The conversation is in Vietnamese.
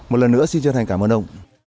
một lần nữa xin chân thành cảm ơn ông